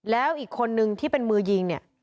แล้วอีกคนนึงที่เป็นมือยิงเนี่ย